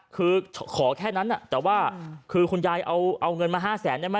คือขอแค่นั้นแต่ว่าคือคุณยายเอาเงินมา๕แสนได้ไหม